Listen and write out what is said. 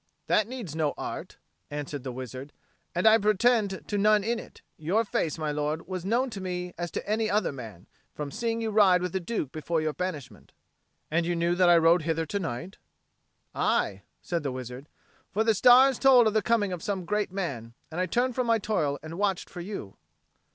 "That needs no art," answered the wizard, "and I pretend to none in it. Your face, my lord, was known to me as to any other man, from seeing you ride with the Duke before your banishment." "And you knew that I rode hither to night?" "Aye," said the wizard. "For the stars told of the coming of some great man; and I turned from my toil and watched for you."